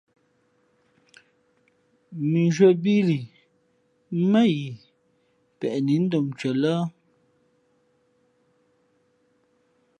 Mʉnzhwē bií lǐ mά yi peʼ nǐ ndom ncwen lά ?